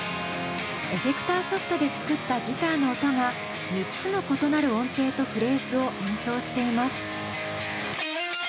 エフェクターソフトで作ったギターの音が３つの異なる音程とフレーズを演奏しています。